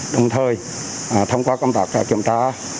đồng thời thông qua công tác kiểm tra